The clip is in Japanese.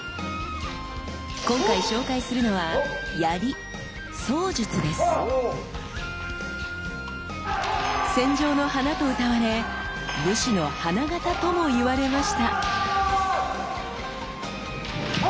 今回紹介するのは槍戦場の華とうたわれ武士の花形とも言われました！